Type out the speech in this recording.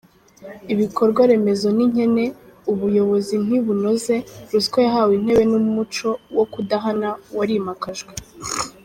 Ibikorwa remezo ni nkene, ubuyobozi ntibunoze, ruswa yahawe intebe n’umuco wo kudahana warimakajwe.